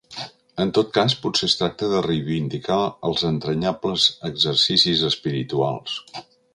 En tot cas, potser es tracta de reivindicar els entranyables exercicis espirituals.